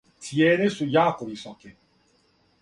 Цијене су јако високе.